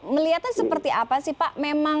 melihatnya seperti apa sih pak